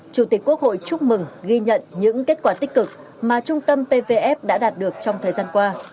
chủ tịch quốc hội chúc mừng ghi nhận những kết quả tích cực mà trung tâm pvf đã đạt được trong thời gian qua